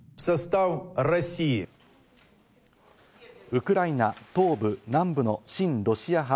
ウクライナ東部・南部の親ロシア派